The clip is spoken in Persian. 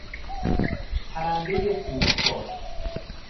پرندهی سینه سرخ